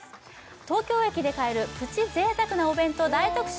東京駅で買えるプチ贅沢なお弁当大特集